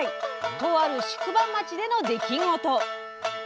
とある宿場町での出来事。